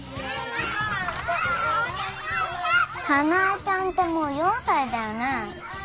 早苗ちゃんってもう４歳だよね？